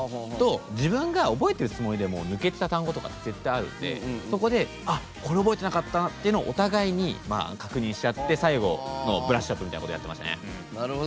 自分が覚えてるつもりでも抜けてた単語とか絶対あるんでそこでこれ覚えてなかった！ってお互いに確認しあって最後のブラッシュアップみたいなのをやってましたね。